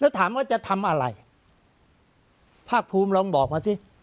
แล้วถามว่าจะทำอะไรภาคภูมิลองบอกมาสิ